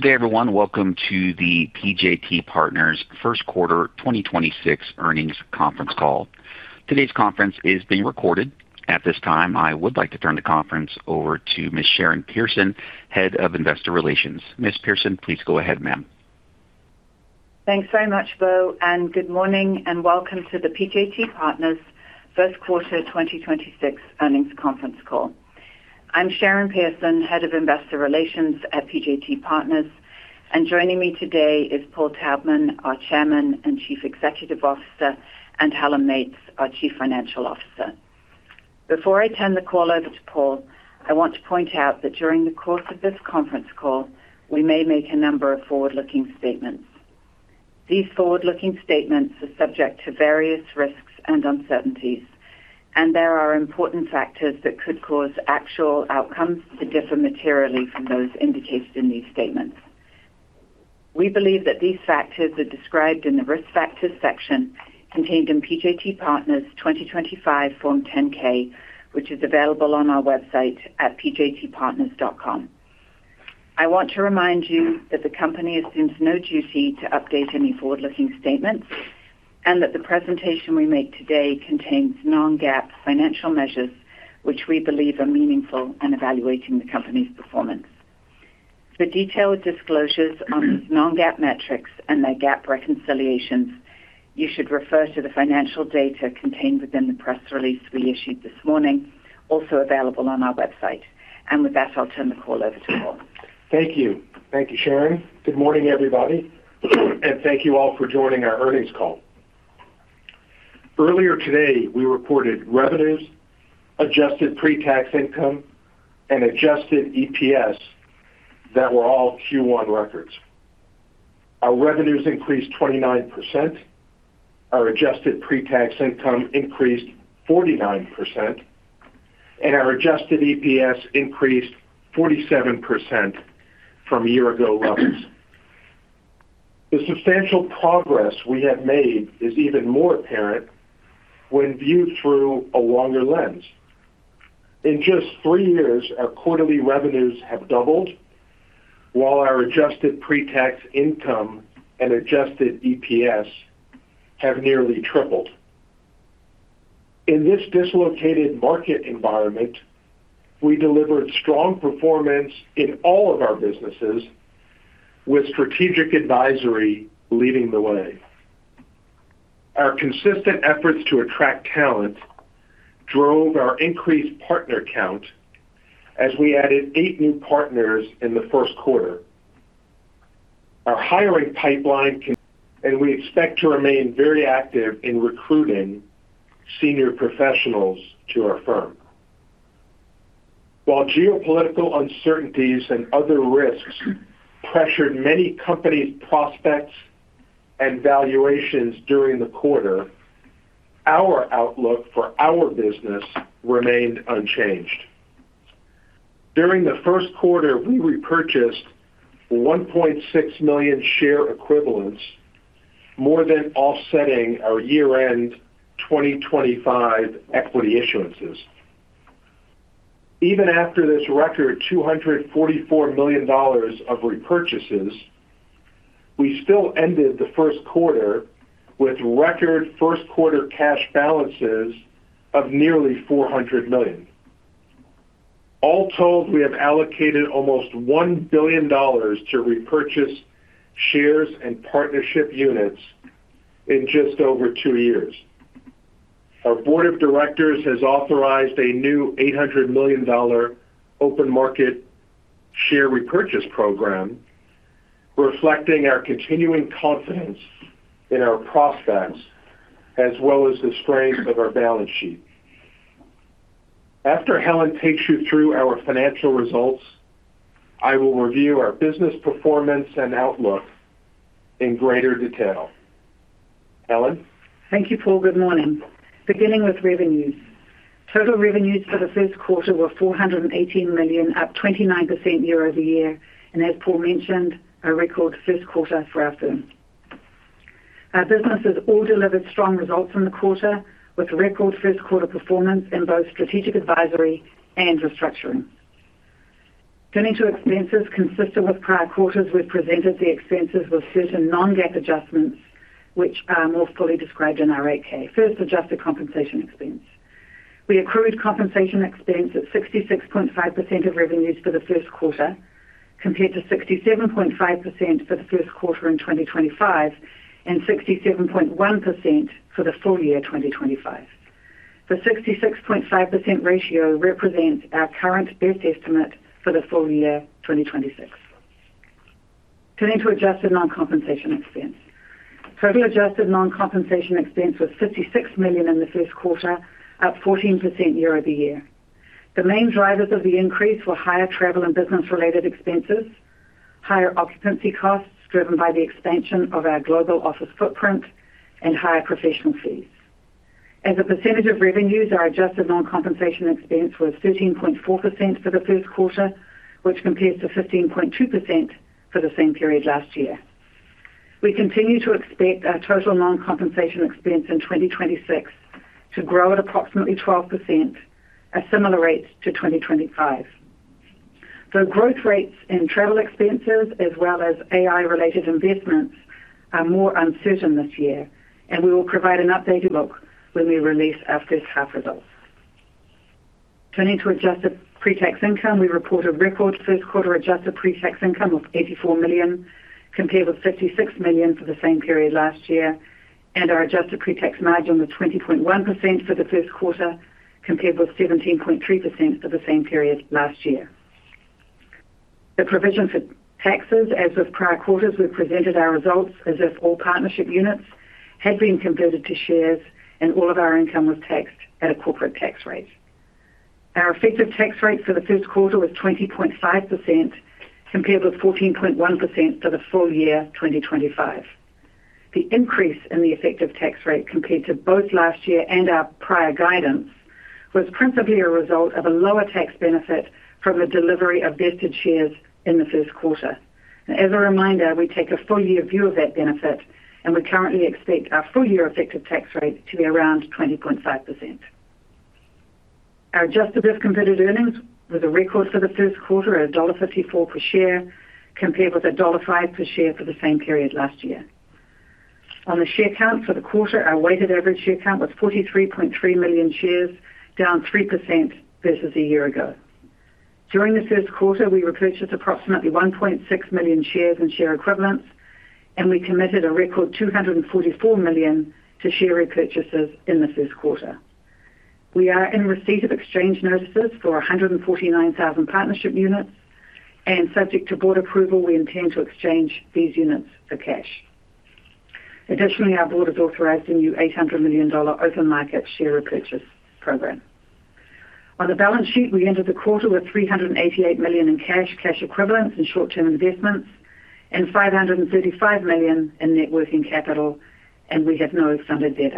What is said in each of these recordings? Good day, everyone. Welcome to the PJT Partners first quarter 2026 earnings conference call. Today's conference is being recorded. At this time, I would like to turn the conference over to Ms. Sharon Pearson, Head of Investor Relations. Ms. Pearson, please go ahead, ma'am. Thanks very much, Bo, and good morning and welcome to the PJT Partners first quarter 2026 earnings conference call. I'm Sharon Pearson, Head of Investor Relations at PJT Partners, and joining me today is Paul Taubman, our Chairman and Chief Executive Officer, and Helen Meates, our Chief Financial Officer. Before I turn the call over to Paul, I want to point out that during the course of this conference call, we may make a number of forward-looking statements. These forward-looking statements are subject to various risks and uncertainties, and there are important factors that could cause actual outcomes to differ materially from those indicated in these statements. We believe that these factors are described in the Risk Factors section contained in PJT Partners 2025 Form 10-K, which is available on our website at pjtpartners.com. I want to remind you that the company assumes no duty to update any forward-looking statements and that the presentation we make today contains non-GAAP financial measures, which we believe are meaningful in evaluating the company's performance. For detailed disclosures on these non-GAAP metrics and their GAAP reconciliations, you should refer to the financial data contained within the press release we issued this morning, also available on our website. With that, I'll turn the call over to Paul. Thank you. Thank you, Sharon. Good morning, everybody, thank you all for joining our earnings call. Earlier today, we reported revenues, adjusted pre-tax income, and adjusted EPS that were all Q1 records. Our revenues increased 29%. Our adjusted pre-tax income increased 49%, our adjusted EPS increased 47% from year-ago levels. The substantial progress we have made is even more apparent when viewed through a longer lens. In just four years, our quarterly revenues have doubled, while our adjusted pre-tax income and adjusted EPS have nearly tripled. In this dislocated market environment, we delivered strong performance in all of our businesses, with Strategic Advisory leading the way. Our consistent efforts to attract talent drove our increased partner count as we added eight new partners in the first quarter. Our hiring pipeline and we expect to remain very active in recruiting senior professionals to our firm. While geopolitical uncertainties and other risks pressured many companies' prospects and valuations during the quarter, our outlook for our business remained unchanged. During the first quarter, we repurchased 1.6 million share equivalents, more than offsetting our year-end 2025 equity issuances. Even after this record $244 million of repurchases, we still ended the first quarter with record first quarter cash balances of nearly $400 million. All told, we have allocated almost $1 billion to repurchase shares and partnership units in just over two years. Our board of directors has authorized a new $800 million open market share repurchase program, reflecting our continuing confidence in our prospects as well as the strength of our balance sheet. After Helen takes you through our financial results, I will review our business performance and outlook in greater detail. Helen? Thank you, Paul. Good morning. Beginning with revenues. Total revenues for the first quarter were $418 million, up 29% year-over-year, and as Paul mentioned, a record first quarter for our firm. Our businesses all delivered strong results in the quarter, with record first quarter performance in both Strategic Advisory and Restructuring. Turning to expenses consistent with prior quarters, we've presented the expenses with certain non-GAAP adjustments, which are more fully described in our 8-K. First, adjusted compensation expense. We accrued compensation expense at 66.5% of revenues for the first quarter, compared to 67.5% for the first quarter in 2025 and 67.1% for the full year 2025. The 66.5% ratio represents our current best estimate for the full year 2026. Turning to adjusted non-compensation expense. Total adjusted non-compensation expense was $56 million in the first quarter, up 14% year-over-year. The main drivers of the increase were higher travel and business-related expenses, higher occupancy costs driven by the expansion of our global office footprint, and higher professional fees. As a percentage of revenues, our adjusted non-compensation expense was 13.4% for the first quarter, which compares to 15.2% for the same period last year. We continue to expect our total non-compensation expense in 2026 to grow at approximately 12% at similar rates to 2025. Growth rates in travel expenses as well as AI related investments are more uncertain this year, and we will provide an updated look when we release our first half results. Turning to adjusted pre-tax income, we report a record first quarter adjusted pre-tax income of $84 million, compared with $66 million for the same period last year. Our adjusted pre-tax margin was 20.1% for the first quarter, compared with 17.3% for the same period last year. The provision for taxes as with prior quarters, we presented our results as if all partnership units had been converted to shares and all of our income was taxed at a corporate tax rate. Our effective tax rate for the first quarter was 20.5%, compared with 14.1% for the full year 2025. The increase in the effective tax rate compared to both last year and our prior guidance was principally a result of a lower tax benefit from the delivery of vested shares in the first quarter. As a reminder, we take a full year view of that benefit. We currently expect our full year effective tax rate to be around 20.5%. Our adjusted as-converted earnings was a record for the first quarter at $1.54 per share, compared with $1.05 per share for the same period last year. On the share count for the quarter, our weighted average share count was 43.3 million shares, down 3% versus a year ago. During the first quarter, we repurchased approximately 1.6 million shares and share equivalents. We committed a record $244 million to share repurchases in the first quarter. We are in receipt of exchange notices for 149,000 partnership units. Subject to board approval, we intend to exchange these units for cash. Additionally, our board has authorized a new $800 million open market share repurchase program. On the balance sheet, we ended the quarter with $388 million in cash equivalents, and short-term investments, and $535 million in net working capital, and we have no outstanding debt.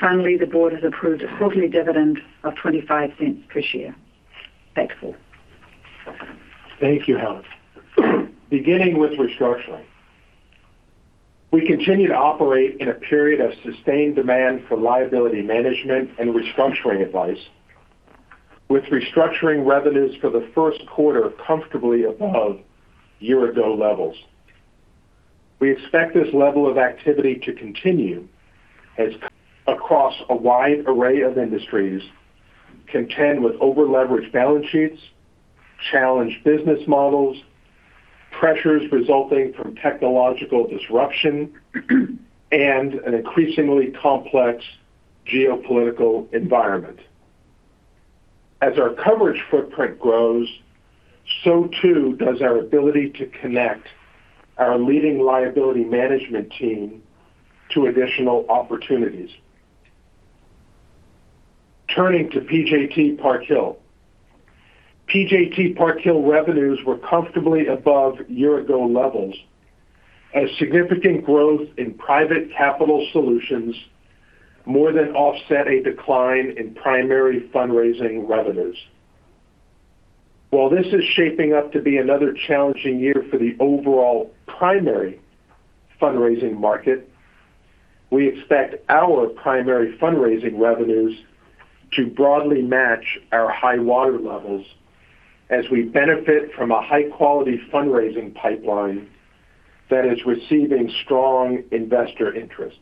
Finally, the board has approved a quarterly dividend of $0.25 per share. Back, Paul. Thank you, Helen. Beginning with restructuring. We continue to operate in a period of sustained demand for liability management and restructuring advice with restructuring revenues for the first quarter comfortably above year-ago levels. We expect this level of activity to continue as across a wide array of industries contend with over-leveraged balance sheets, challenged business models, pressures resulting from technological disruption, and an increasingly complex geopolitical environment. As our coverage footprint grows, so too does our ability to connect our leading liability management team to additional opportunities. Turning to PJT Park Hill. PJT Park Hill revenues were comfortably above year-ago levels as significant growth in Private Capital Solutions more than offset a decline in primary fundraising revenues. While this is shaping up to be another challenging year for the overall primary fundraising market, we expect our primary fundraising revenues to broadly match our high water levels as we benefit from a high-quality fundraising pipeline that is receiving strong investor interest.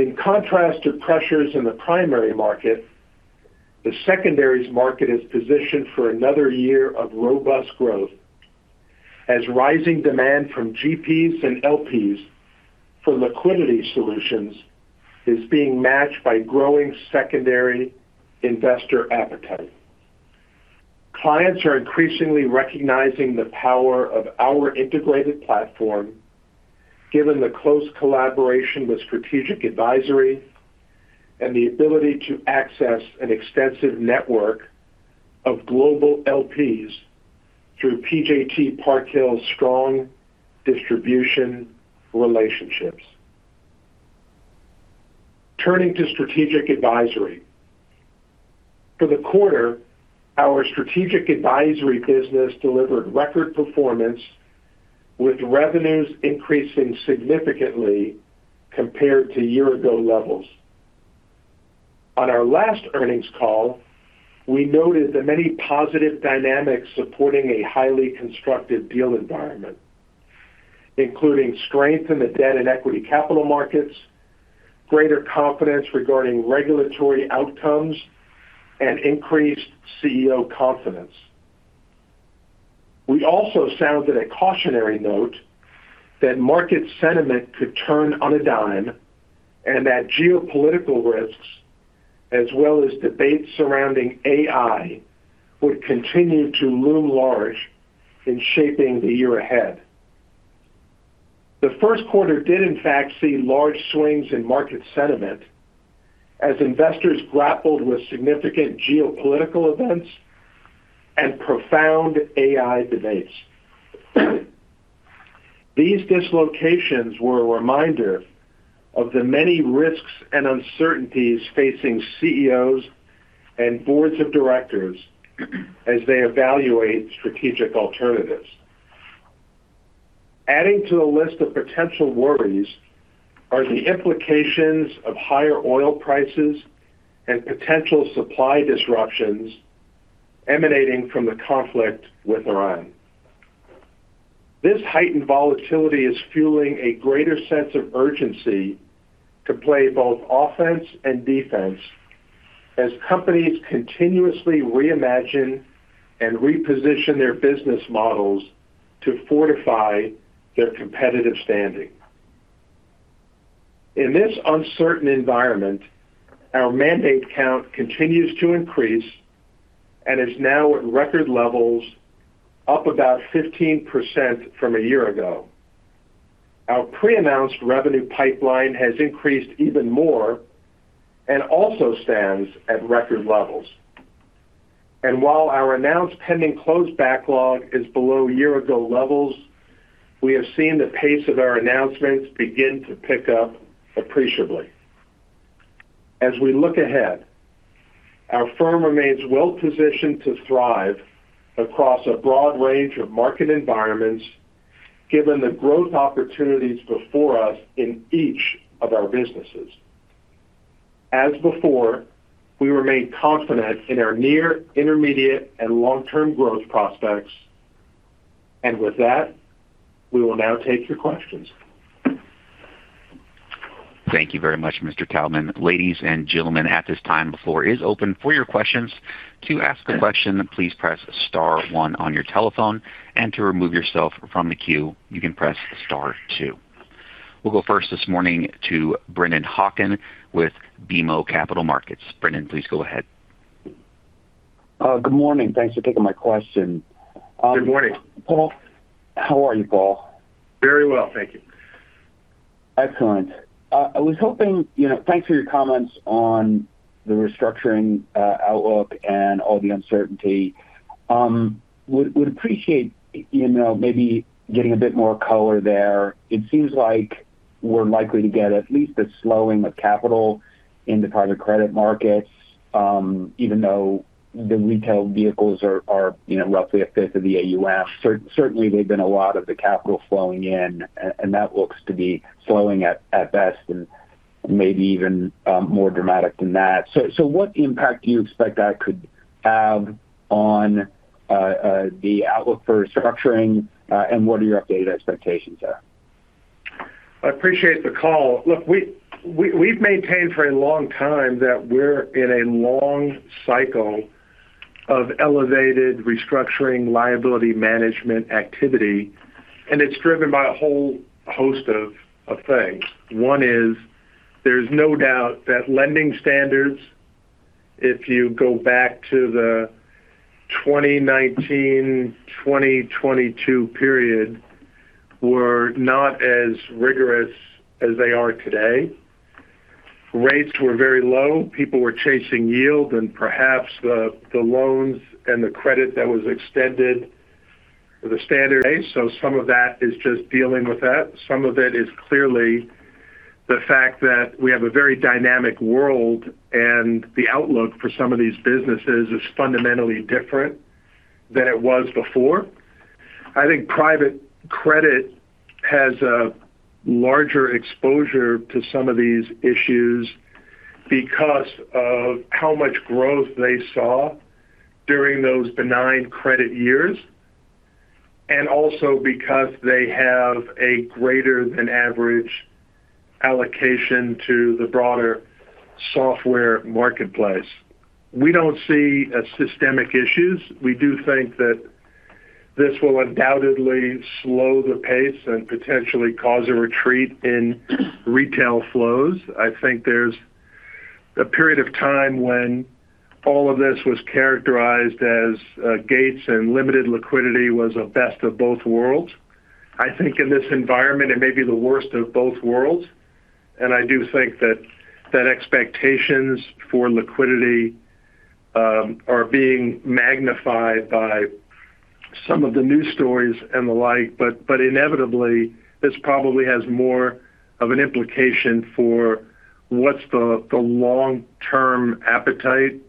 In contrast to pressures in the primary market, the secondaries market is positioned for another year of robust growth as rising demand from GPs and LPs for liquidity solutions is being matched by growing secondary investor appetite. Clients are increasingly recognizing the power of our integrated platform, given the close collaboration with Strategic Advisory and the ability to access an extensive network of global LPs through PJT Park Hill's strong distribution relationships. Turning to Strategic Advisory. For the quarter, our Strategic Advisory business delivered record performance with revenues increasing significantly compared to year ago levels. On our last earnings call, we noted the many positive dynamics supporting a highly constructive deal environment, including strength in the debt and equity capital markets, greater confidence regarding regulatory outcomes, and increased CEO confidence. We also sounded a cautionary note that market sentiment could turn on a dime and that geopolitical risks, as well as debates surrounding AI, would continue to loom large in shaping the year ahead. The first quarter did in fact see large swings in market sentiment as investors grappled with significant geopolitical events and profound AI debates. These dislocations were a reminder of the many risks and uncertainties facing CEOs and Boards of Directors as they evaluate strategic alternatives. Adding to the list of potential worries are the implications of higher oil prices and potential supply disruptions emanating from the conflict with Iran. This heightened volatility is fueling a greater sense of urgency to play both offense and defense as companies continuously reimagine and reposition their business models to fortify their competitive standing. In this uncertain environment, our mandate count continues to increase and is now at record levels, up about 15% from a year ago. Our pre-announced revenue pipeline has increased even more and also stands at record levels. While our announced pending closed backlog is below year-ago levels, we have seen the pace of our announcements begin to pick up appreciably. As we look ahead, our firm remains well positioned to thrive across a broad range of market environments, given the growth opportunities before us in each of our businesses. As before, we remain confident in our near, intermediate, and long-term growth prospects. With that, we will now take your questions. Thank you very much, Mr. Taubman. Ladies and gentlemen, at this time, the floor is open for your questions to ask a question press star one on your telephone and to remove yourself from the queue press star two. We'll go first this morning to Brennan Hawken with BMO Capital Markets. Brennan, please go ahead. Good morning. Thanks for taking my question. Good morning. Paul. How are you, Paul? Very well, thank you. Excellent. I was hoping, you know, thanks for your comments on the restructuring outlook and all the uncertainty. Would appreciate, you know, maybe getting a bit more color there. It seems like we're likely to get at least a slowing of capital into private credit markets, even though the retail vehicles are, you know, roughly a fifth of the AUM. Certainly they've been a lot of the capital flowing in, and that looks to be slowing at best and maybe even more dramatic than that. What impact do you expect that could have on the outlook for restructuring, and what are your updated expectations there? I appreciate the call. Look, we've maintained for a long time that we're in a long cycle of elevated restructuring liability management activity. It's driven by a whole host of things. One is there's no doubt that lending standards, if you go back to the 2019-2022 period, were not as rigorous as they are today. Rates were very low. People were chasing yield, and perhaps the loans and the credit that was extended to the standard A. Some of that is just dealing with that. Some of it is clearly the fact that we have a very dynamic world. The outlook for some of these businesses is fundamentally different than it was before. I think private credit has a larger exposure to some of these issues because of how much growth they saw during those benign credit years, and also because they have a greater than average allocation to the broader software marketplace. We don't see systemic issues. We do think that this will undoubtedly slow the pace and potentially cause a retreat in retail flows. I think there's a period of time when all of this was characterized as gates and limited liquidity was a best of both worlds. I think in this environment, it may be the worst of both worlds, and I do think that expectations for liquidity are being magnified by some of the news stories and the like. Inevitably, this probably has more of an implication for what's the long-term appetite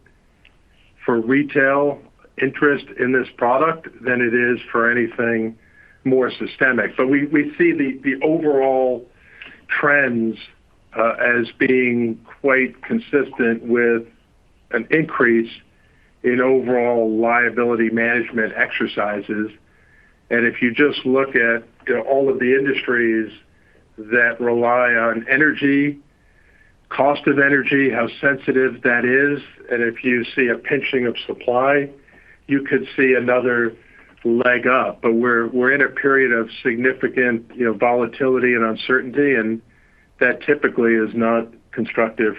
for retail interest in this product than it is for anything more systemic. We see the overall trends as being quite consistent with an increase in overall liability management exercises. If you just look at, you know, all of the industries that rely on energy, cost of energy, how sensitive that is, and if you see a pinching of supply, you could see another leg up. We're in a period of significant, you know, volatility and uncertainty, and that typically is not constructive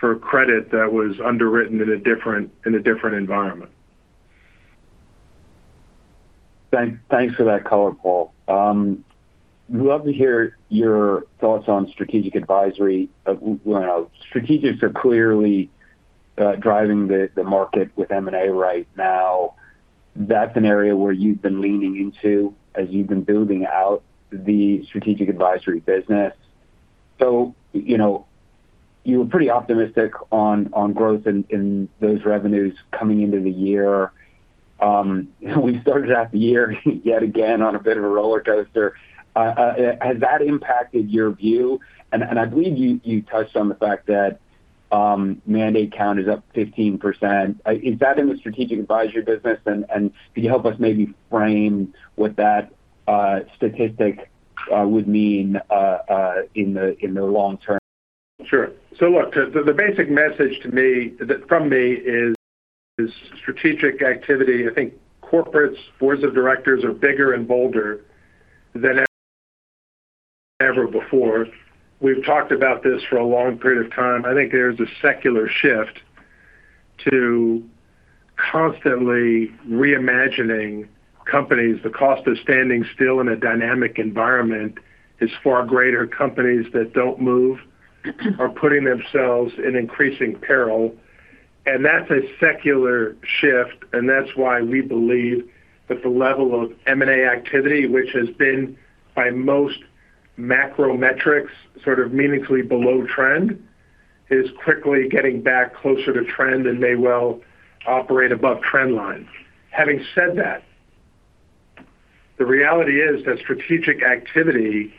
for credit that was underwritten in a different environment. Thanks for that color, Paul. Would love to hear your thoughts on Strategic Advisory. You know, strategics are clearly driving the market with M&A right now. That's an area where you've been leaning into as you've been building out the Strategic Advisory business. You know, you were pretty optimistic on growth in those revenues coming into the year. We started out the year yet again on a bit of a rollercoaster. Has that impacted your view? I believe you touched on the fact that mandate count is up 15%. Is that in the Strategic Advisory business? Could you help us maybe frame what that statistic would mean in the long term? Sure. Look, the basic message from me is strategic activity. I think corporates, Boards of Directors are bigger and bolder than ever before. We've talked about this for a long period of time. I think there's a secular shift to constantly reimagining companies. The cost of standing still in a dynamic environment is far greater. Companies that don't move are putting themselves in increasing peril, and that's a secular shift, and that's why we believe that the level of M&A activity, which has been by most macro metrics sort of meaningfully below trend, is quickly getting back closer to trend and may well operate above trend line. Having said that, the reality is that strategic activity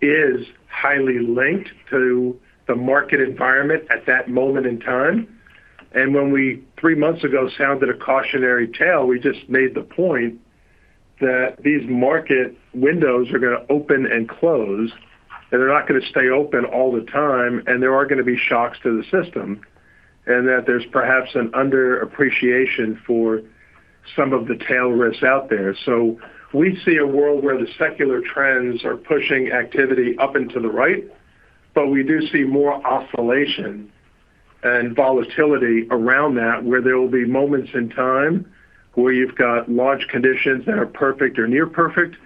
is highly linked to the market environment at that moment in time. When we, three months ago, sounded a cautionary tale, we just made the point that these market windows are gonna open and close, and they're not gonna stay open all the time, and there are gonna be shocks to the system, and that there's perhaps an underappreciation for some of the tail risks out there. We see a world where the secular trends are pushing activity up and to the right, but we do see more oscillation and volatility around that, where there will be moments in time where you've got launch conditions that are perfect or near perfect.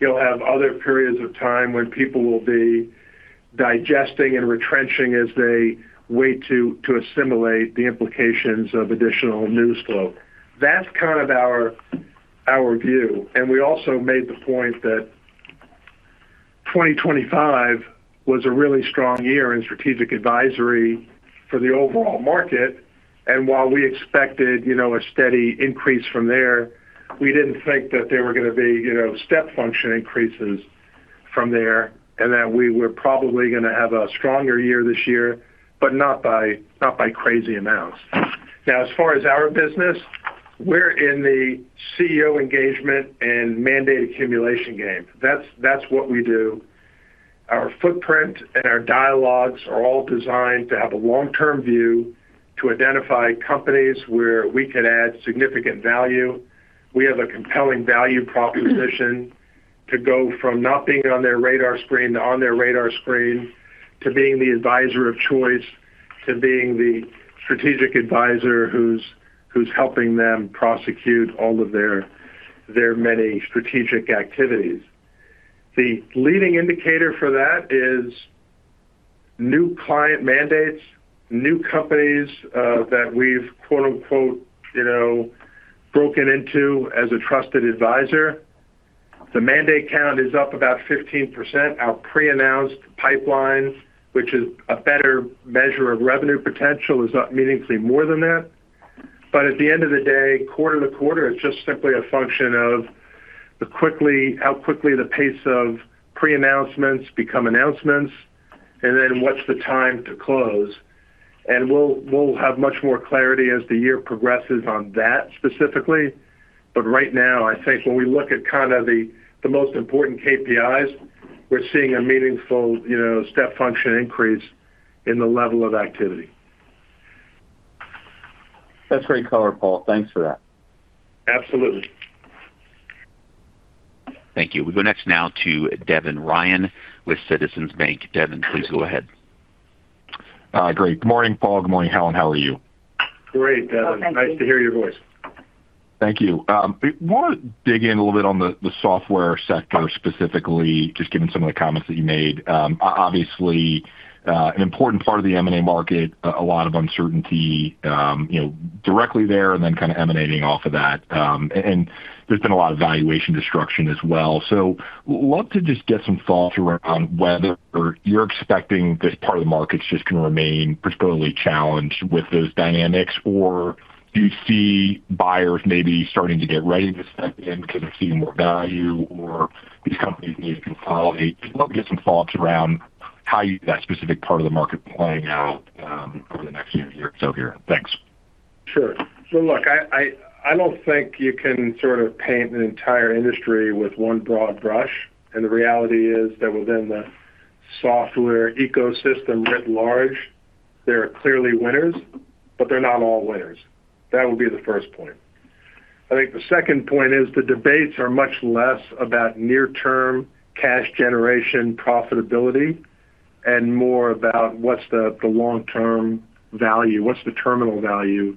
You'll have other periods of time when people will be digesting and retrenching as they way to assimilate the implications of additional news flow. That's kind of our view. We also made the point that 2025 was a really strong year in Strategic Advisory for the overall market, and while we expected, you know, a steady increase from there, we didn't think that there were gonna be, you know, step function increases from there, and that we were probably gonna have a stronger year this year, but not by crazy amounts. As far as our business, we're in the CEO engagement and mandate accumulation game. That's what we do. Our footprint and our dialogues are all designed to have a long-term view to identify companies where we could add significant value. We have a compelling value proposition to go from not being on their radar screen to on their radar screen, to being the advisor of choice, to being the strategic advisor who's helping them prosecute all of their many strategic activities. The leading indicator for that is new client mandates, new companies that we've, quote-unquote, you know, broken into as a trusted advisor. The mandate count is up about 15%. Our pre-announced pipeline, which is a better measure of revenue potential, is up meaningfully more than that. At the end of the day, quarter-to-quarter is just simply a function of how quickly the pace of pre-announcements become announcements, and then what's the time to close. We'll have much more clarity as the year progresses on that specifically. Right now, I think when we look at kind of the most important KPIs, we're seeing a meaningful, you know, step function increase in the level of activity. That's great color, Paul. Thanks for that. Absolutely. Thank you. We go next now to Devin Ryan with Citizens Bank. Devin, please go ahead. Great. Good morning, Paul. Good morning, Helen. How are you? Great, Devin. Well, thank you. Nice to hear your voice. Thank you. Wanted to dig in a little bit on the software sector specifically, just given some of the comments that you made. Obviously, an important part of the M&A market, a lot of uncertainty, you know, directly there and then kind of emanating off of that. There's been a lot of valuation destruction as well. Love to just get some thoughts around whether you're expecting this part of the market's just gonna remain historically challenged with those dynamics. Do you see buyers maybe starting to get ready to step in because they're seeing more value or these companies need to consolidate? Just love to get some thoughts around how you see that specific part of the market playing out, over the next, you know, year or so here. Thanks. Sure. Look, I don't think you can sort of paint an entire industry with one broad brush, and the reality is that within the software ecosystem at large, there are clearly winners, but they're not all winners. That would be the first point. I think the second point is the debates are much less about near-term cash generation profitability and more about what's the long-term value, what's the terminal value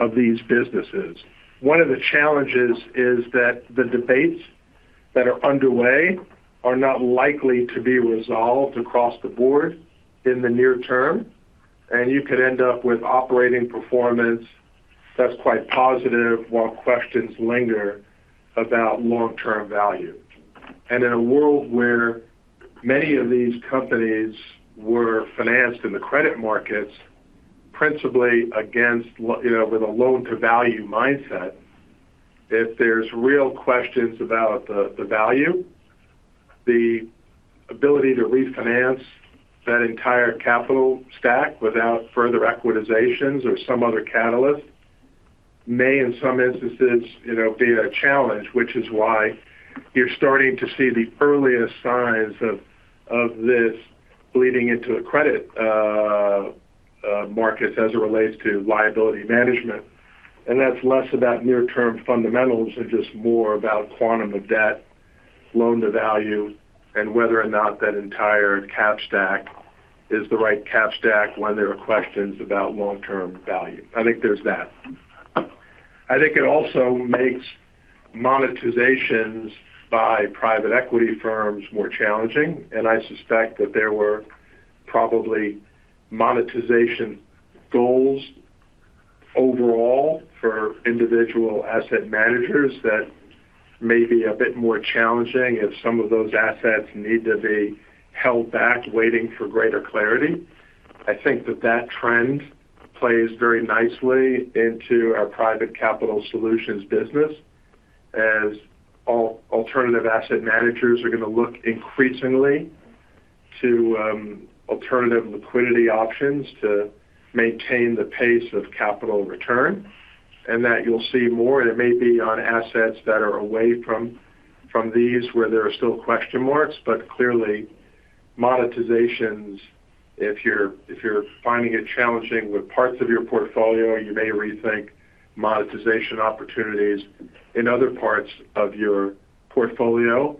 of these businesses. One of the challenges is that the debates that are underway are not likely to be resolved across the board in the near term, and you could end up with operating performance that's quite positive while questions linger about long-term value. In a world where many of these companies were financed in the credit markets principally against you know, with a loan-to-value mindset, if there's real questions about the value, the ability to refinance that entire capital stack without further equitizations or some other catalyst may in some instances, you know, be a challenge, which is why you're starting to see the earliest signs of this bleeding into the credit markets as it relates to liability management. That's less about near-term fundamentals and just more about quantum of debt, loan-to-value, and whether or not that entire cap stack is the right cap stack when there are questions about long-term value. I think there's that. I think it also makes monetizations by private equity firms more challenging. I suspect that there were probably monetization goals overall for individual asset managers that may be a bit more challenging if some of those assets need to be held back, waiting for greater clarity. I think that that trend plays very nicely into our Private Capital Solutions business as alternative asset managers are gonna look increasingly to alternative liquidity options to maintain the pace of capital return. You'll see more, it may be on assets that are away from these where there are still question marks. Clearly, monetizations, if you're finding it challenging with parts of your portfolio, you may rethink monetization opportunities in other parts of your portfolio.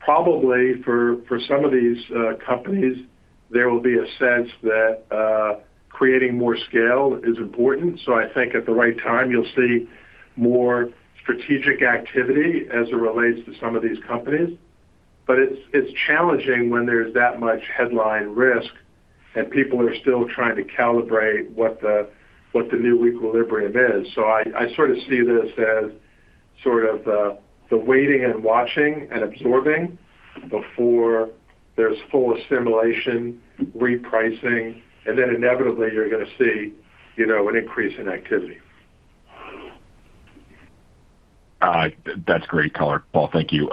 Probably for some of these companies, there will be a sense that creating more scale is important. I think at the right time you'll see more strategic activity as it relates to some of these companies. It's challenging when there's that much headline risk and people are still trying to calibrate what the new equilibrium is. I sort of see this as sort of the waiting and watching and absorbing before there's full assimilation, repricing, inevitably you're gonna see, you know, an increase in activity. That's great color, Paul. Thank you.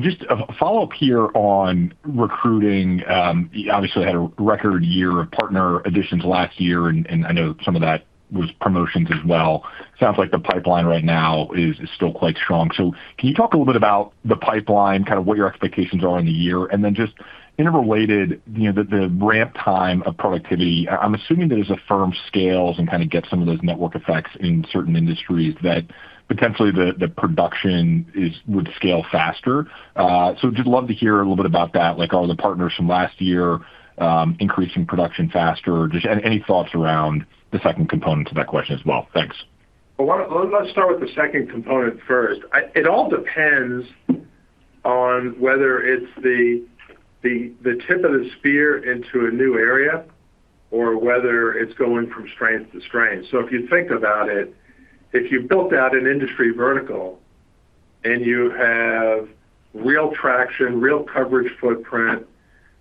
Just a follow-up here on recruiting. You obviously had a record year of partner additions last year, and I know some of that was promotions as well. Sounds like the pipeline right now is still quite strong. Can you talk a little bit about the pipeline, kind of what your expectations are in the year? Then just interrelated, you know, the ramp time of productivity. I'm assuming that as a firm scales and kind of gets some of those network effects in certain industries, that potentially the production would scale faster. Just love to hear a little bit about that, like, are the partners from last year increasing production faster? Just any thoughts around the second component to that question as well? Thanks. Well, let's start with the second component first. It all depends on whether it's the tip of the spear into a new area or whether it's going from strength to strength. If you think about it, if you've built out an industry vertical and you have real traction, real coverage footprint,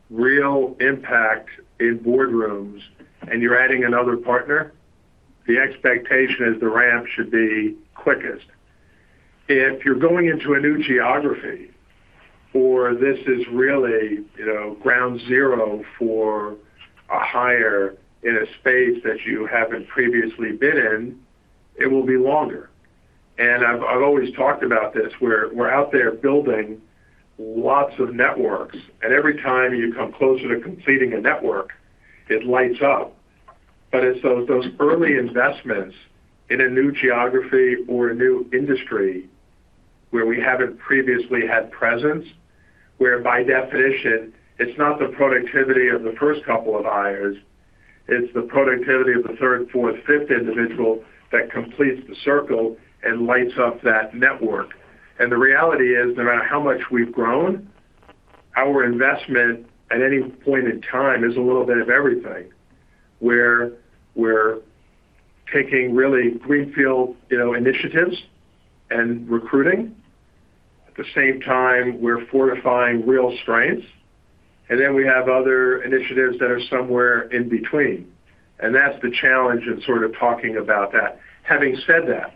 real impact in boardrooms, and you're adding another partner, the expectation is the ramp should be quickest. If you're going into a new geography or this is really, you know, ground zero for a hire in a space that you haven't previously been in, it will be longer. I've always talked about this, where we're out there building lots of networks, and every time you come closer to completing a network, it lights up. It's those early investments in a new geography or a new industry where we haven't previously had presence, where by definition it's not the productivity of the first couple of hires, it's the productivity of the third, fourth, fifth individual that completes the circle and lights up that network. The reality is, no matter how much we've grown, our investment at any point in time is a little bit of everything, where we're taking really greenfield, you know, initiatives and recruiting. At the same time, we're fortifying real strengths. We have other initiatives that are somewhere in between. That's the challenge in sort of talking about that. Having said that,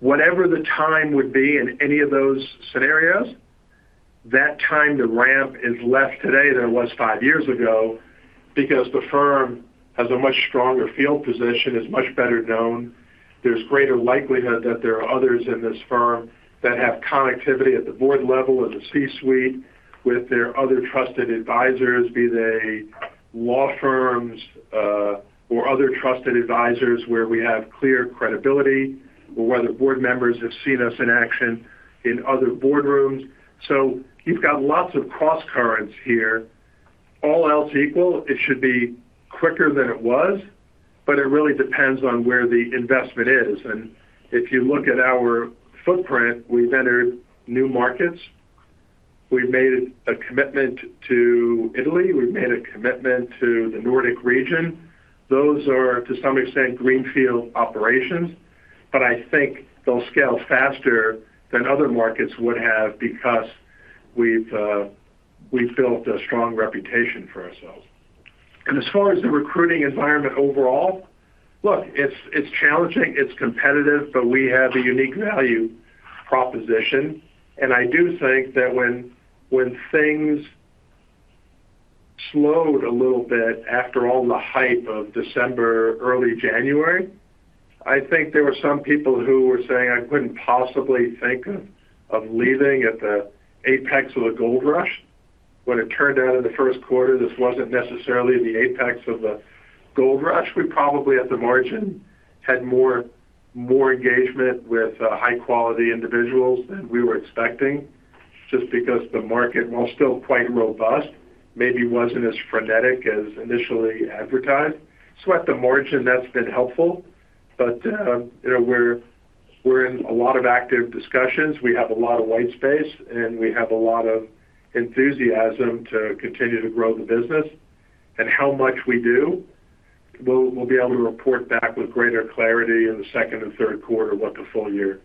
whatever the time would be in any of those scenarios, that time to ramp is less today than it was five years ago because the firm has a much stronger field position, is much better known. There's greater likelihood that there are others in this firm that have connectivity at the board level, in the C-suite with their other trusted advisors, be they law firms, or other trusted advisors where we have clear credibility or where the board members have seen us in action in other boardrooms. You've got lots of crosscurrents here. All else equal, it should be quicker than it was, but it really depends on where the investment is. If you look at our footprint, we've entered new markets. We've made a commitment to Italy. We've made a commitment to the Nordic region. Those are, to some extent, greenfield operations. I think they'll scale faster than other markets would have because we've built a strong reputation for ourselves. As far as the recruiting environment overall, look, it's challenging, it's competitive, but we have a unique value proposition. I do think that when things slowed a little bit after all the hype of December, early January, I think there were some people who were saying, "I couldn't possibly think of leaving at the apex of the gold rush." When it turned out in the first quarter, this wasn't necessarily the apex of the gold rush. We probably, at the margin, had more engagement with high-quality individuals than we were expecting, just because the market, while still quite robust, maybe wasn't as frenetic as initially advertised. At the margin, that's been helpful. You know, we're in a lot of active discussions. We have a lot of white space, and we have a lot of enthusiasm to continue to grow the business. How much we do, we'll be able to report back with greater clarity in the second and third quarter what the full year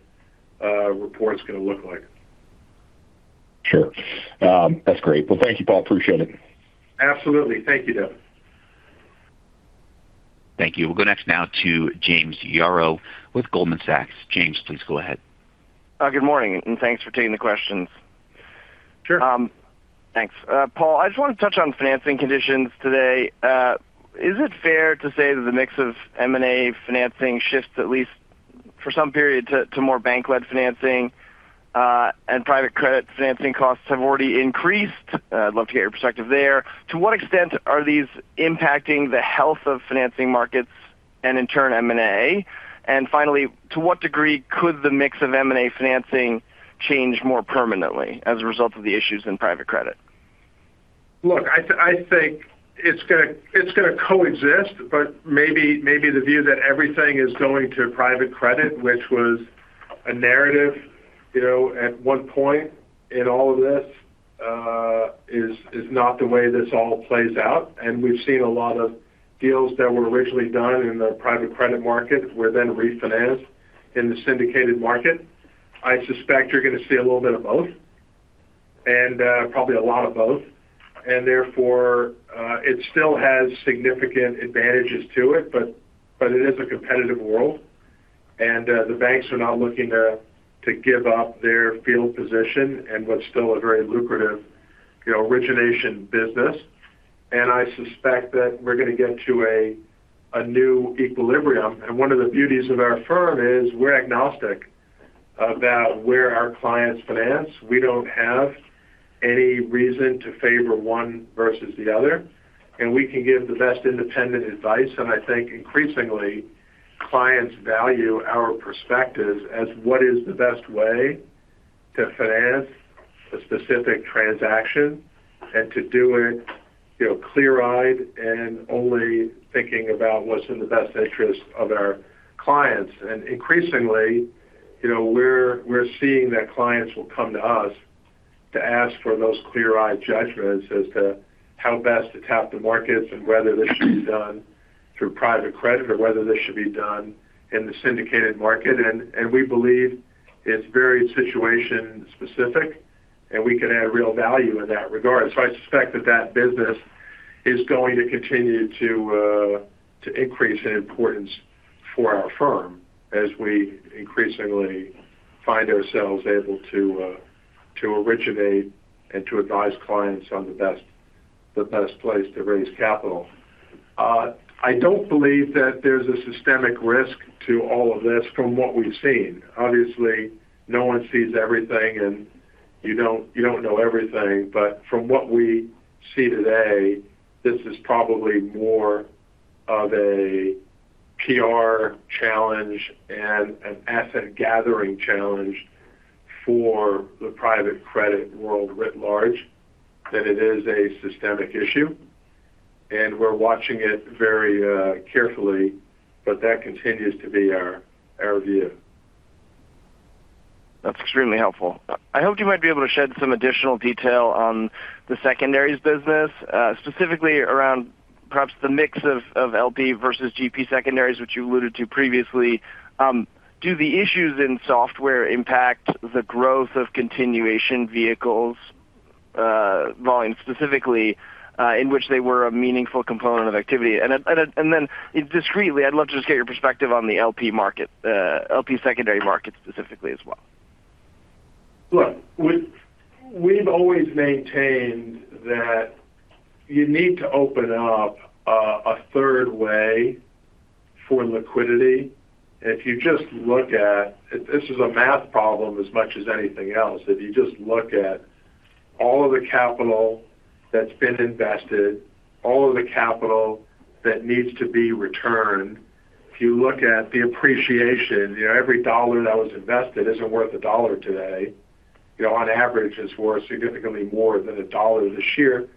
report's gonna look like. Sure. That's great. Thank you, Paul. Appreciate it. Absolutely. Thank you, Devin. Thank you. We'll go next now to James Yaro with Goldman Sachs. James, please go ahead. Good morning, and thanks for taking the questions. Sure. Thanks. Paul, I just wanna touch on financing conditions today. Is it fair to say that the mix of M&A financing shifts at least for some period to more bank-led financing, and private credit financing costs have already increased? I'd love to hear your perspective there. To what extent are these impacting the health of financing markets and in turn M&A? Finally, to what degree could the mix of M&A financing change more permanently as a result of the issues in private credit? Look, I think it's gonna, it's gonna coexist, but maybe the view that everything is going to private credit, which was a narrative, you know, at one point in all of this, is not the way this all plays out. We've seen a lot of deals that were originally done in the private credit market were then refinanced in the syndicated market. I suspect you're gonna see a little bit of both and probably a lot of both. Therefore, it still has significant advantages to it, but it is a competitive world. The banks are not looking to give up their field position in what's still a very lucrative, you know, origination business. I suspect that we're gonna get to a new equilibrium. One of the beauties of our firm is we're agnostic about where our clients finance. We don't have any reason to favor one versus the other, and we can give the best independent advice. I think increasingly, clients value our perspectives as what is the best way to finance a specific transaction and to do it, you know, clear-eyed and only thinking about what's in the best interest of our clients. Increasingly, you know, we're seeing that clients will come to us to ask for those clear-eyed judgments as to how best to tap the markets and whether this should be done through private credit or whether this should be done in the syndicated market. We believe it's very situation specific, and we can add real value in that regard. I suspect that that business is going to continue to increase in importance for our firm as we increasingly find ourselves able to originate and to advise clients on the best, the best place to raise capital. I don't believe that there's a systemic risk to all of this from what we've seen. Obviously, no one sees everything, and you don't, you don't know everything. From what we see today, this is probably more of a PR challenge and an asset gathering challenge for the private credit world writ large than it is a systemic issue. We're watching it very carefully, but that continues to be our view. That's extremely helpful. I hoped you might be able to shed some additional detail on the secondaries business, specifically around perhaps the mix of LP versus GP secondaries, which you alluded to previously. Do the issues in software impact the growth of continuation vehicles, volume specifically, in which they were a meaningful component of activity? Then discreetly, I'd love to just get your perspective on the LP market, LP secondary market specifically as well. Look, we've always maintained that you need to open up a third way for liquidity if you just look at. This is a math problem as much as anything else. If you just look at all of the capital that's been invested, all of the capital that needs to be returned. If you look at the appreciation, you know, every dollar that was invested isn't worth a dollar today. You know, on average, it's worth significantly more than a dollar. The sheer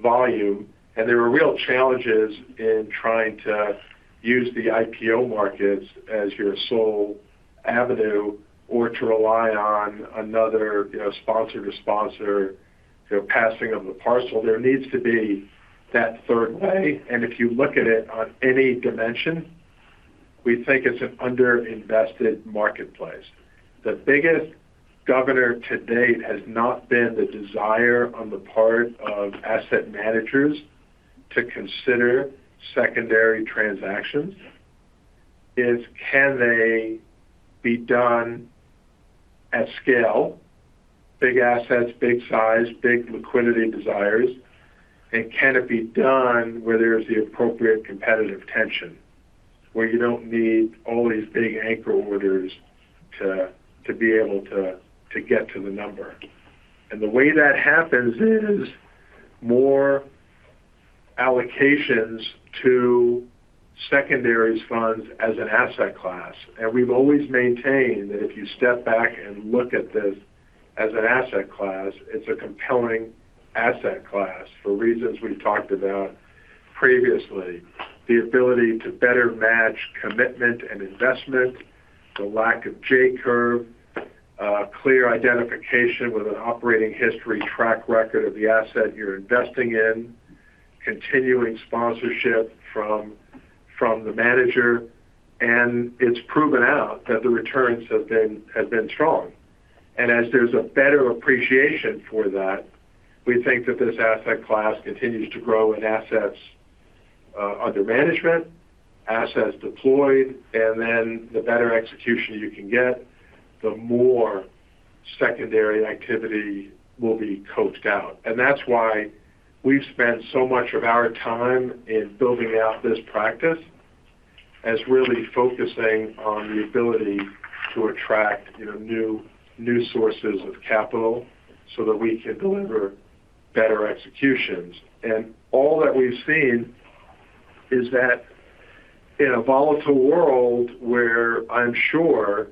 volume. There are real challenges in trying to use the IPO markets as your sole avenue or to rely on another, you know, sponsor to sponsor, you know, passing of the parcel. There needs to be that third way. If you look at it on any dimension, we think it's an under-invested marketplace. The biggest governor to date has not been the desire on the part of asset managers to consider secondary transactions. Is can they be done at scale, big assets, big size, big liquidity desires? Can it be done where there's the appropriate competitive tension, where you don't need all these big anchor orders to be able to get to the number? The way that happens is more allocations to secondaries funds as an asset class. We've always maintained that if you step back and look at this as an asset class, it's a compelling asset class for reasons we've talked about previously. The ability to better match commitment and investment, the lack of J-curve, clear identification with an operating history track record of the asset you're investing in, continuing sponsorship from the manager. It's proven out that the returns have been strong. As there's a better appreciation for that, we think that this asset class continues to grow in assets under management, assets deployed, then the better execution you can get, the more secondary activity will be coaxed out. That's why we've spent so much of our time in building out this practice as really focusing on the ability to attract, you know, new sources of capital so that we can deliver better executions. All that we've seen is that in a volatile world where I'm sure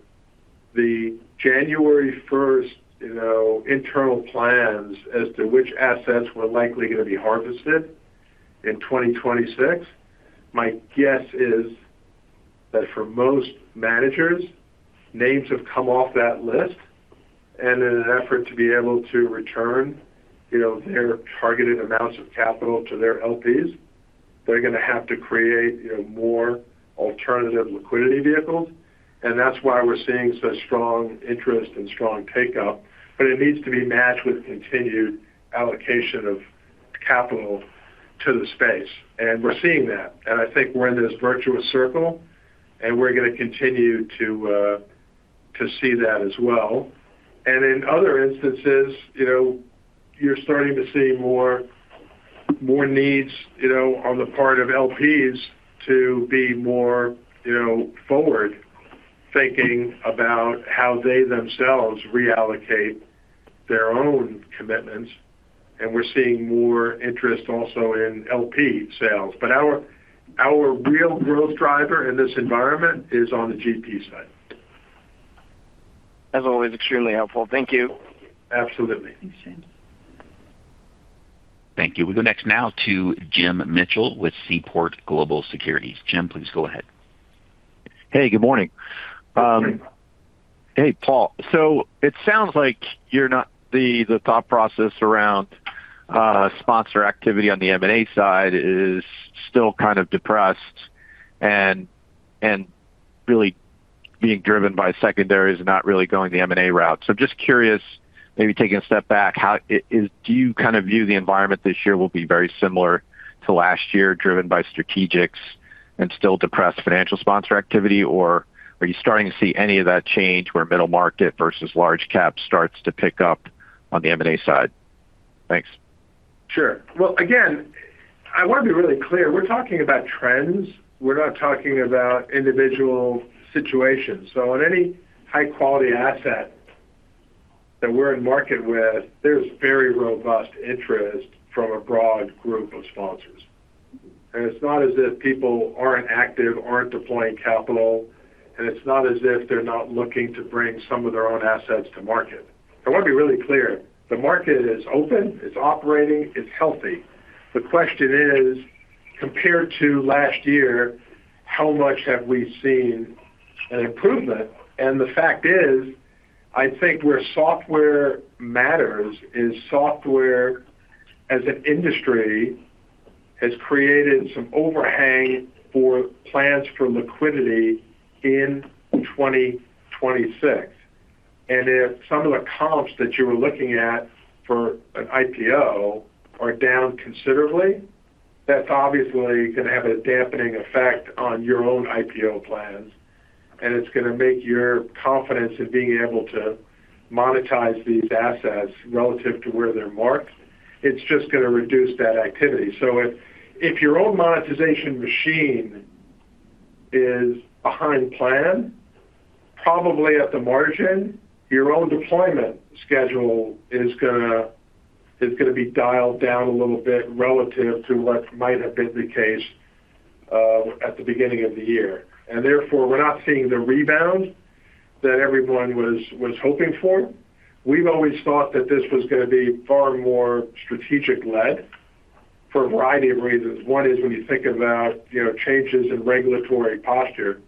the January 1st, you know, internal plans as to which assets were likely gonna be harvested in 2026, my guess is that for most managers, names have come off that list. In an effort to be able to return, you know, their targeted amounts of capital to their LPs, they're gonna have to create, you know, more alternative liquidity vehicles. That's why we're seeing such strong interest and strong takeout. It needs to be matched with continued allocation of capital to the space. We're seeing that. I think we're in this virtuous circle, and we're gonna continue to see that as well. In other instances, you know, you're starting to see more, more needs, you know, on the part of LPs to be more, you know, forward-thinking about how they themselves reallocate their own commitments. We're seeing more interest also in LP sales. Our, our real growth driver in this environment is on the GP side. That's always extremely helpful. Thank you. Absolutely. Thanks, James. Thank you. We go next now to Jim Mitchell with Seaport Global Securities. Jim, please go ahead. Hey, good morning. Good morning. Hey, Paul. It sounds like you're not the thought process around sponsor activity on the M&A side is still kind of depressed and really being driven by secondaries and not really going the M&A route. Just curious, maybe taking a step back, how do you kind of view the environment this year will be very similar to last year, driven by strategics and still depressed financial sponsor activity, or are you starting to see any of that change where middle market versus large cap starts to pick up on the M&A side? Thanks. Sure. Well, again, I wanna be really clear. We're talking about trends. We're not talking about individual situations. On any high-quality asset that we're in market with, there's very robust interest from a broad group of sponsors. It's not as if people aren't active, aren't deploying capital, and it's not as if they're not looking to bring some of their own assets to market. I wanna be really clear. The market is open, it's operating, it's healthy. The question is, compared to last year, how much have we seen an improvement? The fact is, I think where software matters is software as an industry has created some overhang for plans for liquidity in 2026. If some of the comps that you were looking at for an IPO are down considerably, that's obviously gonna have a dampening effect on your own IPO plans, and it's gonna make your confidence in being able to monetize these assets relative to where they're marked. It's just gonna reduce that activity. If your own monetization machine is behind plan, probably at the margin, your own deployment schedule is gonna be dialed down a little bit relative to what might have been the case at the beginning of the year. Therefore, we're not seeing the rebound that everyone was hoping for. We've always thought that this was gonna be far more strategic-led for a variety of reasons. One is when you think about, you know, changes in regulatory posture,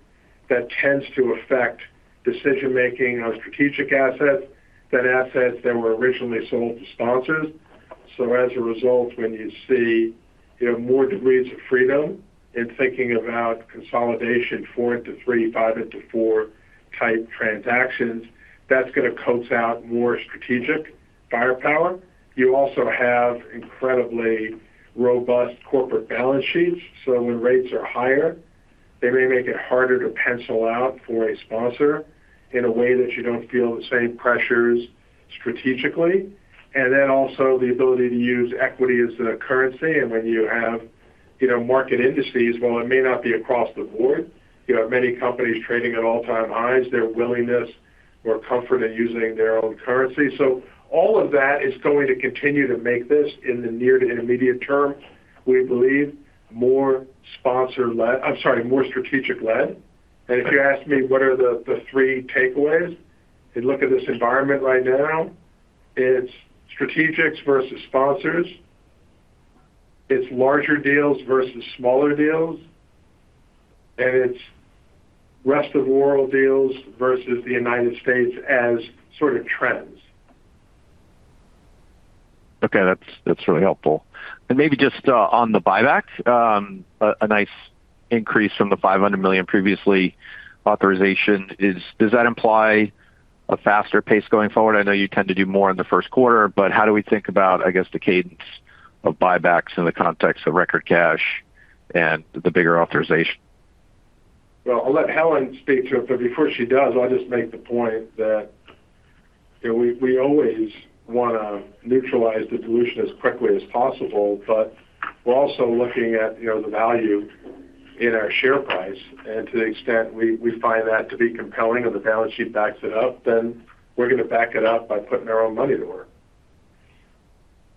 that tends to affect decision-making on strategic assets than assets that were originally sold to sponsors. As a result, when you see, you know, more degrees of freedom in thinking about consolidation, four into three, five into four type transactions, that's gonna coax out more strategic firepower. You also have incredibly robust corporate balance sheets, when rates are higher, they may make it harder to pencil out for a sponsor in a way that you don't feel the same pressures strategically. Then also the ability to use equity as a currency. When you have, you know, market indices, while it may not be across the board, you have many companies trading at all-time highs, their willingness or comfort in using their own currency. All of that is going to continue to make this in the near to intermediate term, we believe, I'm sorry, more strategic-led. If you ask me what are the three takeaways, and look at this environment right now, it's strategics versus sponsors, it's larger deals versus smaller deals, and it's rest of world deals versus the United States as sort of trends. Okay. That's really helpful. Maybe just on the buyback, a nice increase from the $500 million previously authorization. Does that imply a faster pace going forward? I know you tend to do more in the first quarter, but how do we think about, I guess, the cadence of buybacks in the context of record cash and the bigger authorization? Well, I'll let Helen speak to it, but before she does, I'll just make the point that, you know, we always wanna neutralize the dilution as quickly as possible, but we're also looking at, you know, the value in our share price. To the extent we find that to be compelling or the balance sheet backs it up, then we're gonna back it up by putting our own money to work.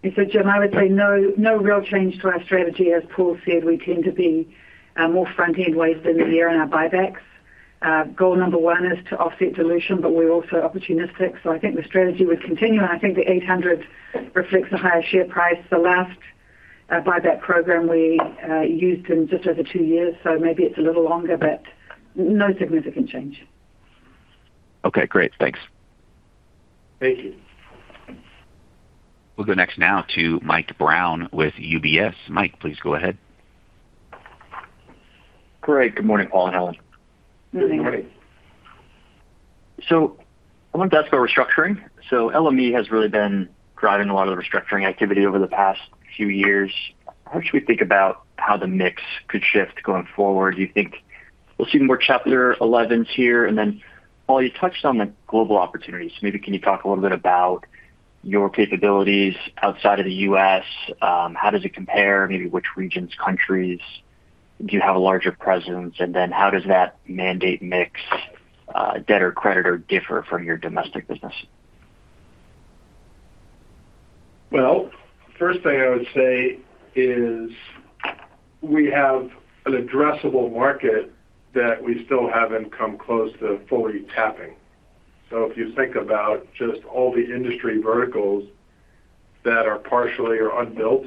Mr. Jim, I would say no real change to our strategy. As Paul said, we tend to be more front-end weighted in the year in our buybacks. Goal number one is to offset dilution, but we're also opportunistic. I think the strategy would continue, and I think the $800 reflects the higher share price. The last buyback program we used in just over two years, so maybe it's a little longer, but no significant change. Okay, great. Thanks. Thank you. We'll go next now to Mike Brown with UBS. Mike, please go ahead. Great. Good morning, Paul and Helen. Good morning. Morning. I wanted to ask about restructuring. LME has really been driving a lot of the restructuring activity over the past few years. How should we think about how the mix could shift going forward? Do you think we'll see more Chapter 11 here? Paul, you touched on the global opportunities. Can you talk a little bit about your capabilities outside of the U.S.? How does it compare? Which regions, countries do you have a larger presence? How does that mandate mix, debtor, creditor differ from your domestic business? Well, first thing I would say is we have an addressable market that we still haven't come close to fully tapping. If you think about just all the industry verticals that are partially or unbuilt,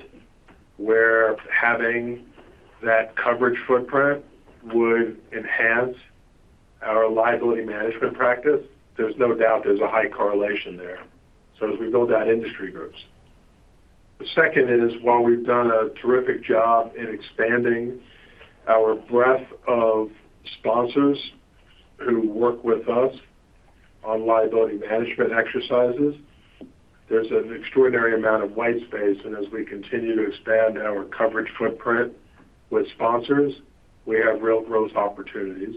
where having that coverage footprint would enhance our liability management practice, there's no doubt there's a high correlation there as we build out industry groups. The second is, while we've done a terrific job in expanding our breadth of sponsors who work with us on liability management exercises, there's an extraordinary amount of white space, and as we continue to expand our coverage footprint with sponsors, we have real growth opportunities.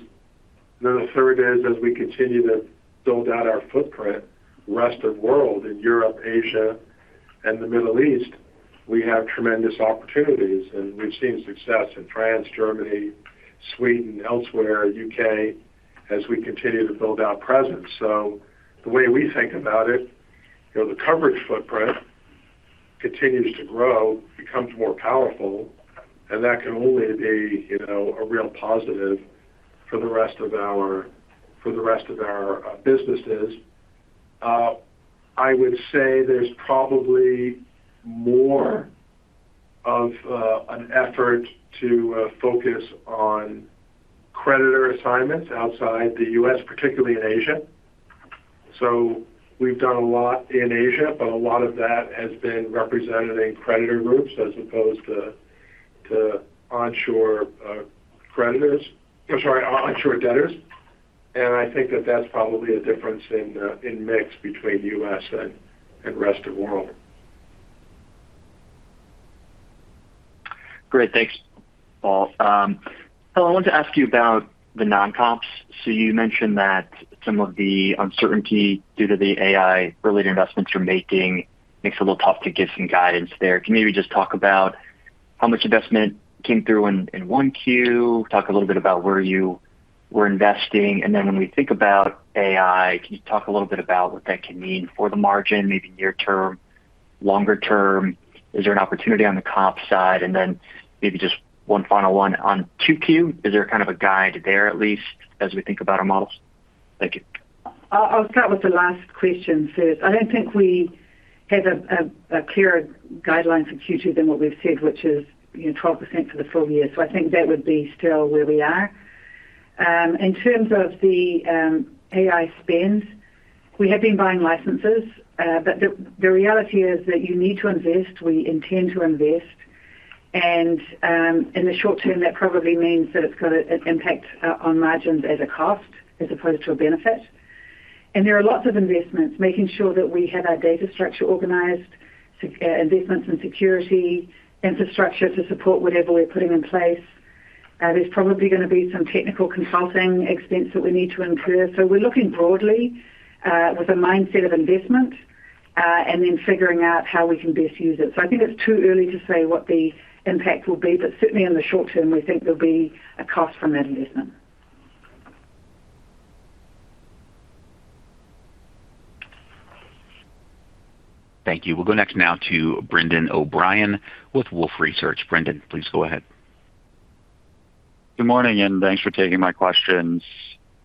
The third is, as we continue to build out our footprint, rest of world in Europe, Asia, and the Middle East, we have tremendous opportunities, and we've seen success in France, Germany, Sweden, elsewhere, U.K., as we continue to build our presence. The way we think about it, you know, the coverage footprint continues to grow, becomes more powerful, and that can only be, you know, a real positive for the rest of our, for the rest of our businesses. I would say there's probably more of an effort to focus on creditor assignments outside the U.S., particularly in Asia. We've done a lot in Asia, but a lot of that has been represented in creditor groups as opposed to onshore creditors. I'm sorry, onshore debtors. I think that that's probably a difference in mix between U.S. and rest of world. Great. Thanks, Paul. Helen, I wanted to ask you about the non-comps. You mentioned that some of the uncertainty due to the AI-related investments you're making makes it a little tough to give some guidance there. Can you maybe just talk about how much investment came through in 1Q? Talk a little bit about where you were investing. When we think about AI, can you talk a little bit about what that can mean for the margin, maybe near term, longer term? Is there an opportunity on the comp side? Maybe just one final one on 2Q. Is there kind of a guide there at least as we think about our models? Thank you. I'll start with the last question first. I don't think we have a clearer guideline for Q2 than what we've said, which is, you know, 12% for the full year. I think that would be still where we are. In terms of the AI spend, we have been buying licenses. The reality is that you need to invest, we intend to invest. In the short term, that probably means that it's got an impact on margins as a cost as opposed to a benefit. There are lots of investments, making sure that we have our data structure organized, investments in security, infrastructure to support whatever we're putting in place. There's probably gonna be some technical consulting expense that we need to incur. We're looking broadly, with a mindset of investment, and then figuring out how we can best use it. I think it's too early to say what the impact will be, but certainly in the short term, we think there'll be a cost from that investment. Thank you. We'll go next now to Brendan O'Brien with Wolfe Research. Brendan, please go ahead. Good morning, and thanks for taking my questions.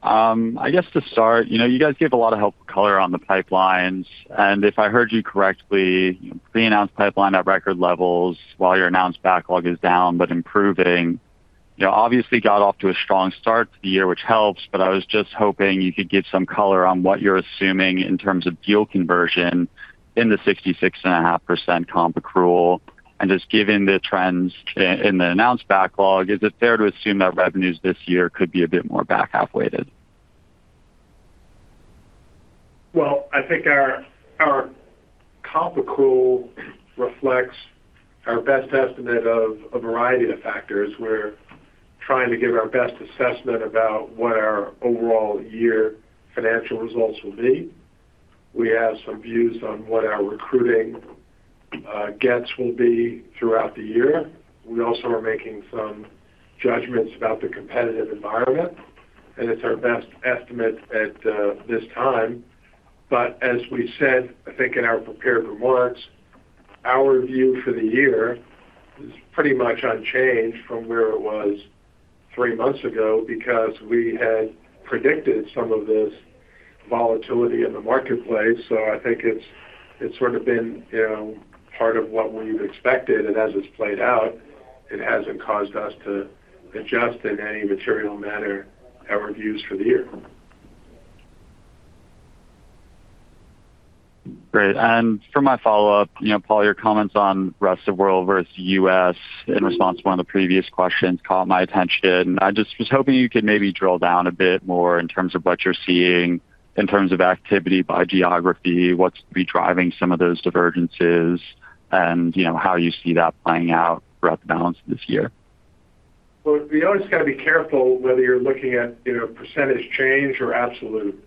I guess to start, you know, you guys gave a lot of helpful color on the pipelines. If I heard you correctly, the announced pipeline at record levels while your announced backlog is down but improving. You know, obviously got off to a strong start to the year, which helps, but I was just hoping you could give some color on what you're assuming in terms of deal conversion in the 66.5% comp accrual. Given the trends in the announced backlog, is it fair to assume that revenues this year could be a bit more back half-weighted? Well, I think our comp accrual reflects our best estimate of a variety of factors. We're trying to give our best assessment about what our overall year financial results will be. We have some views on what our recruiting gets will be throughout the year. We also are making some judgments about the competitive environment, and it's our best estimate at this time. As we said, I think in our prepared remarks, our view for the year is pretty much unchanged from where it was three months ago because we had predicted some of this volatility in the marketplace. I think it's sort of been, you know, part of what we've expected. And as it's played out, it hasn't caused us to adjust in any material manner our views for the year. Great. For my follow-up, you know, Paul, your comments on rest of world versus U.S. in response to one of the previous questions caught my attention. I just was hoping you could maybe drill down a bit more in terms of what you're seeing in terms of activity by geography, what's driving some of those divergences, and, you know, how you see that playing out throughout the balance of this year. Well, you always got to be careful whether you're looking at, you know, percentage change or absolute,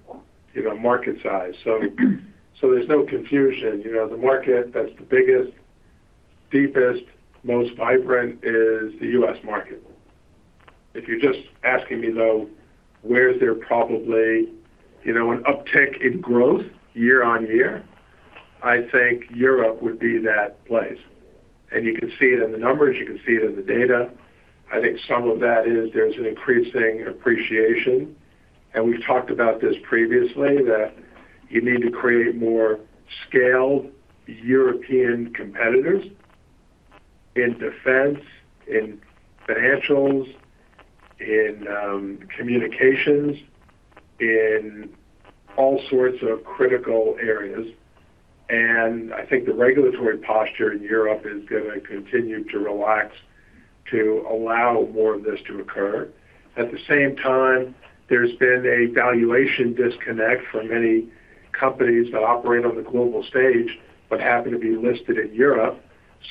you know, market size. There's no confusion. You know, the market that's the biggest, deepest, most vibrant is the U.S. market. If you're just asking me, though, where is there probably, you know, an uptick in growth year-on-year, I think Europe would be that place. You can see it in the numbers, you can see it in the data. I think some of that is there's an increasing appreciation, and we've talked about this previously, that you need to create more scaled European competitors in defense, in financials, in communications, in all sorts of critical areas. I think the regulatory posture in Europe is gonna continue to relax to allow more of this to occur. At the same time, there's been a valuation disconnect for many companies that operate on the global stage but happen to be listed in Europe.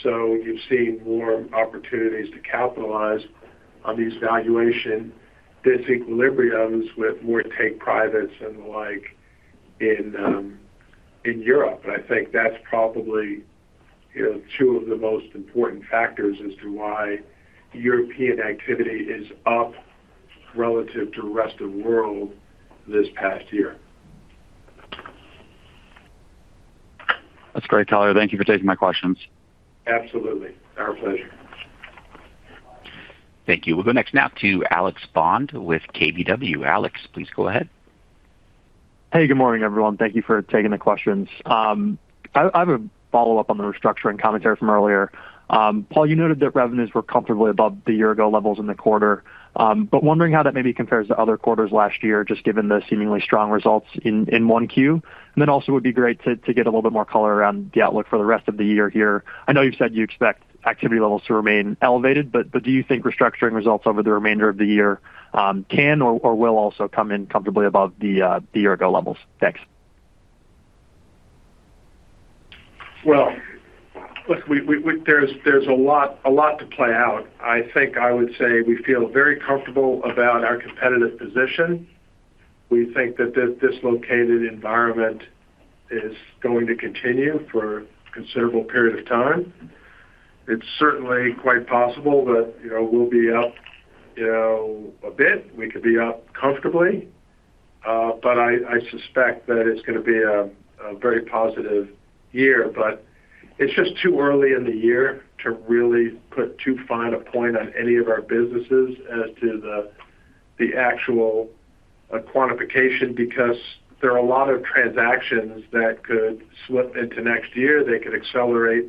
You've seen more opportunities to capitalize on these valuation disequilibrium with more take privates and the like in Europe. I think that's probably, you know, two of the most important factors as to why European activity is up relative to rest of world this past year. That's great, Taubman. Thank you for taking my questions. Absolutely. Our pleasure. Thank you. We'll go next now to Alex Bond with KBW. Alex, please go ahead. Hey, good morning, everyone. Thank Thank you for taking the questions. I have a follow-up on the restructuring commentary from earlier. Paul, you noted that revenues were comfortably above the year-ago levels in the quarter. Wondering how that maybe compares to other quarters last year, just given the seemingly strong results in 1Q. Also it would be great to get a little bit more color around the outlook for the rest of the year here. I know you've said you expect activity levels to remain elevated, but do you think restructuring results over the remainder of the year can or will also come in comfortably above the year-ago levels? Thanks. Well, look, there's a lot to play out. I think I would say we feel very comfortable about our competitive position. We think that this dislocated environment is going to continue for a considerable period of time. It's certainly quite possible that, you know, we'll be up, you know, a bit. We could be up comfortably. I suspect that it's going to be a very positive year. It's just too early in the year to really put too fine a point on any of our businesses as to the actual quantification, because there are a lot of transactions that could slip into next year. They could accelerate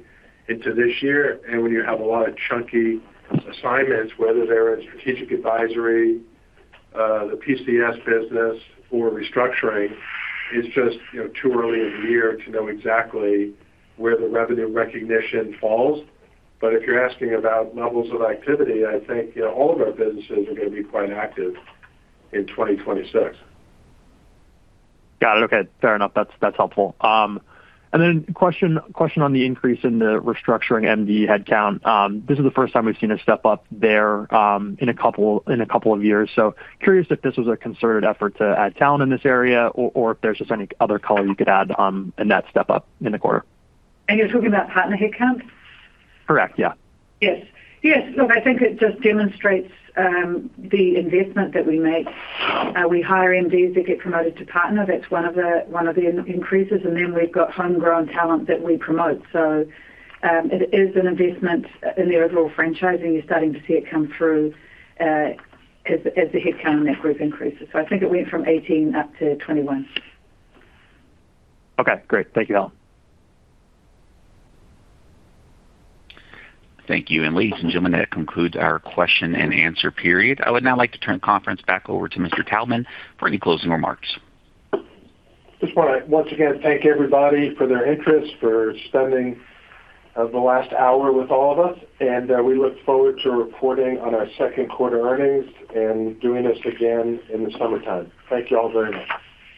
into this year. When you have a lot of chunky assignments, whether they're in Strategic Advisory, the PCS business or restructuring, it's just, you know, too early in the year to know exactly where the revenue recognition falls. If you're asking about levels of activity, I think, you know, all of our businesses are going to be quite active in 2026. Got it. Okay. Fair enough. That's helpful. And then question on the increase in the restructuring MD headcount. This is the first time we've seen a step-up there in a couple of years. Curious if this was a concerted effort to add talent in this area or if there's just any other color you could add in that step-up in the quarter. You're talking about partner headcount? Correct. Yeah. Yes. Yes. Look, I think it just demonstrates the investment that we make. We hire MDs that get promoted to partner. That's one of the increases. Then we've got homegrown talent that we promote. It is an investment in the overall franchising. You're starting to see it come through as the headcount in that group increases. I think it went from 18 up to 21. Okay, great. Thank you, Helen. Thank you. Ladies and gentlemen, that concludes our question-and-answer period. I would now like to turn the conference back over to Mr. Taubman for any closing remarks. Just want to once again thank everybody for their interest, for spending the last hour with all of us. We look forward to reporting on our second quarter earnings and doing this again in the summertime. Thank you all very much.